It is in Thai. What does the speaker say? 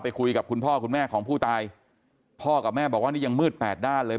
คุยกับคุณพ่อคุณแม่ของผู้ตายพ่อกับแม่บอกว่านี่ยังมืดแปดด้านเลย